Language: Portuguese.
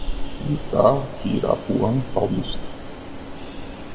Itapirapuã Paulista